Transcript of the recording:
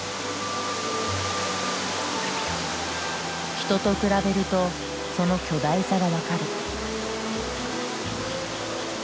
人と比べるとその巨大さが分かる。